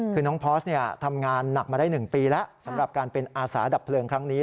คือน้องพอร์สทำงานหนักมาได้๑ปีแล้วสำหรับการเป็นอาสาดับเพลิงครั้งนี้